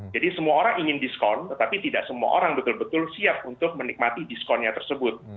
semua orang ingin diskon tetapi tidak semua orang betul betul siap untuk menikmati diskonnya tersebut